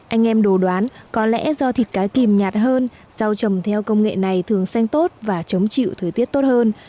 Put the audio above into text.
anh em đồ đoán có lẽ do thịt cá kìm nhạt hơn rau trồng theo công nghệ này thường xanh tốt và chống chịu thời tiết tốt hơn